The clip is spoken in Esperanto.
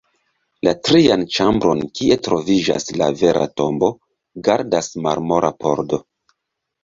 La trian ĉambron, kie troviĝas la vera tombo, gardas marmora pordo.